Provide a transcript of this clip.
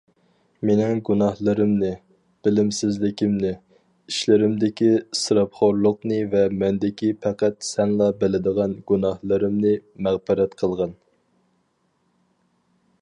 مېنىڭ گۇناھلىرىمنى، بىلىمسىزلىكىمنى، ئىشلىرىمدىكى ئىسراپخورلۇقنى ۋە مەندىكى پەقەت سەنلا بىلىدىغان گۇناھلىرىمنى مەغپىرەت قىلغىن.